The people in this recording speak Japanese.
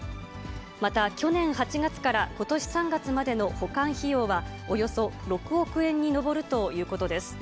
また去年８月からことし３月までの保管費用は、およそ６億円に上るということです。